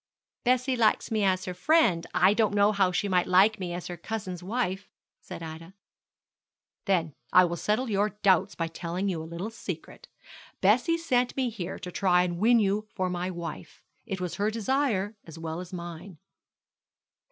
'Bessie likes me as her friend. I don't know how she might like me as her cousin's wife,' said Ida. 'Then I will settle your doubts by telling you a little secret. Bessie sent me here to try and win you for my wife. It was her desire as well as mine.'